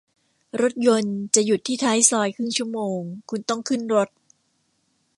รถยนต์จะหยุดที่ท้ายซอยครึ่งชั่วโมง คุณต้องขึ้นรถ